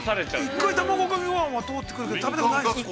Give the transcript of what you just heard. ◆一回、卵かけごはんは通ってくるけど食べたことないんですか。